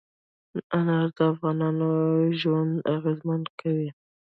انار د افغانانو ژوند اغېزمن کوي.